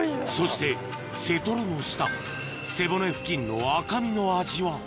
そして背トロの下背骨付近の赤身の味は？